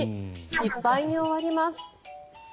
失敗に終わります。